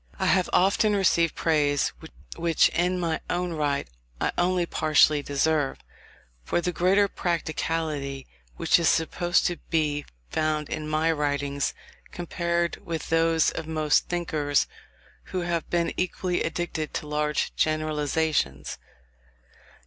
I have often received praise, which in my own right I only partially deserve, for the greater practicality which is supposed to be found in my writings, compared with those of most thinkers who have been equally addicted to large generalizations.